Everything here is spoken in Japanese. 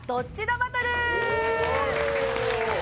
バトル！